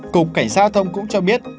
cục cảnh sát giao thông cũng cho biết